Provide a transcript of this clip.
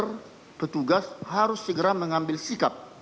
karena petugas harus segera mengambil sikap